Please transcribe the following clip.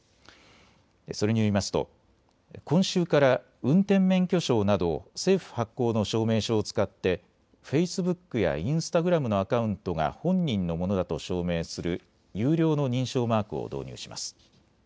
それによりますと今週から運転免許証など政府発行の証明書を使ってフェイスブックやインスタグラムのアカウントが本人のものだと証明する有料の認証マークを導入します。